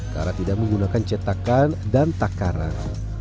karena tidak menggunakan cetakan dan takaran